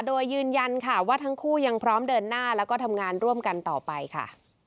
โดยยืนยันค่ะว่าทั้งคู่ยังพร้อมเดินหน้าแล้วก็ทำงานร่วมกันต่อไปค่ะ